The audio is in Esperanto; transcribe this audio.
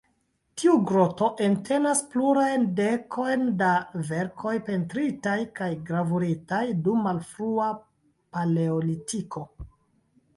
Tiu groto entenas plurajn dekojn da verkoj pentritaj kaj gravuritaj dum malfrua Paleolitiko.